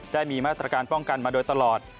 ได้มีมาตรการป้องกันมาโดยตลอด